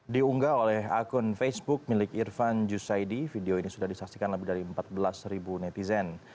diunggah oleh akun facebook milik irfan jusaidi video ini sudah disaksikan lebih dari empat belas ribu netizen